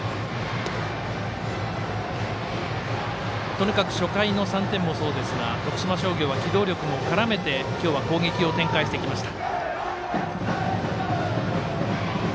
とにかく初回の３点もそうですが徳島商業は機動力も絡めて今日は攻撃を展開してきました。